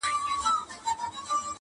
o حقيقت څوک نه منل غواړي تل,